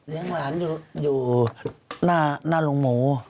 เลี้ยงหลานอยู่หน้าลงโหม